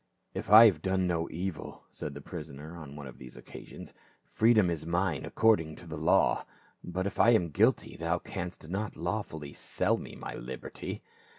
" If I have done no evil," said the prisoner on one of these occasions, "freedom is mine according to the law ; but if I am guilty, thou canst not lawfully sell me my liberty."